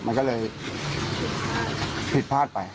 มันก็เลยผิดพลาดไป